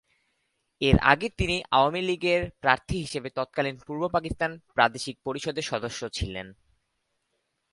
এর আগে তিনি আওয়ামী লীগের প্রার্থী হিসেবে তৎকালীন পূর্বপাকিস্তান প্রাদেশিক পরিষদের সদস্য ছিলেন।